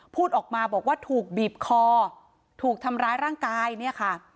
พูดออกมาบอกว่าถูกบีบคอถูกทำร้ายร่างกายเนี่ยค่ะ